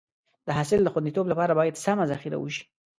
د حاصل د خونديتوب لپاره باید سمه ذخیره وشي.